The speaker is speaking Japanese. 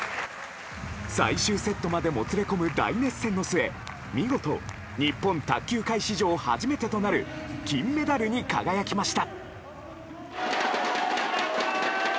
最終セットまでもつれ込む大熱戦の末見事、日本卓球界史上初めてとなる金メダルに輝きました。